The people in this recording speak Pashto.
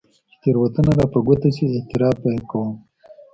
چې تېروتنه راپه ګوته شي، اعتراف به يې کوم.